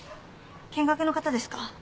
見学の方ですか？